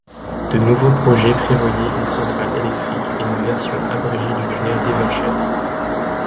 De nouveaux projets prévoyaient une centrale électrique et une version abrégée du tunnel d'Evershed.